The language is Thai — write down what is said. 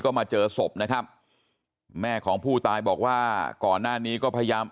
ก็มาเจอศพนะครับแม่ของผู้ตายบอกว่าก่อนหน้านี้ก็พยายาม